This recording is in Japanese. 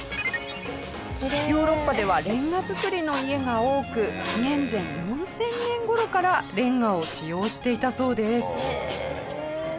ヨーロッパではレンガ造りの家が多く紀元前４０００年頃からレンガを使用していたそうです。